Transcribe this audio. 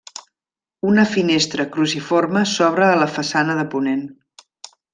Una finestra cruciforme s'obre a la façana de ponent.